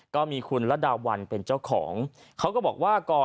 ก็มีคุณระดาวันเป็นเจ้าของเขาก็บอกว่าก่อน